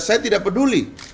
saya tidak peduli